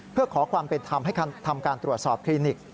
เพื่อขอความเป็นธรรมให้ทำการตรวจสอบคลินิก